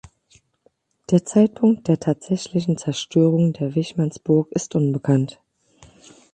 Der Zeitpunkt der tatsächlichen Zerstörung der Wichmannsburg ist unbekannt.